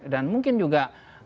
dan mungkin juga